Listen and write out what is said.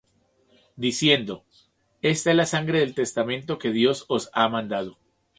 Diciendo: Esta es la sangre del testamento que Dios os ha mandado.